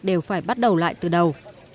đều phải bắt đầu lại từ đầu